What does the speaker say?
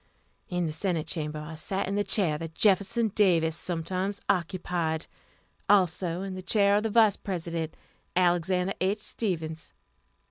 In the Senate chamber I sat in the chair that Jefferson Davis sometimes occupied; also in the chair of the Vice President, Alexander H. Stephens.